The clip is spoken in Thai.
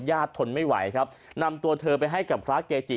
ทนไม่ไหวครับนำตัวเธอไปให้กับพระเกจิ